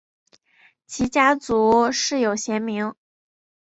其家族世有贤名。